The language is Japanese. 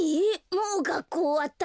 もうがっこうおわったの？